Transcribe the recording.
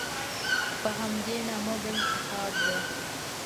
په همدې نامه بل کتاب ده.